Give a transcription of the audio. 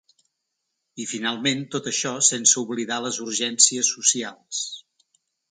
I, finalment, tot això sense oblidar les urgències socials.